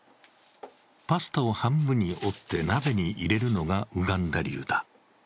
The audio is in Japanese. パスタを半分に折って鍋に入れるのがウガンダ流だ。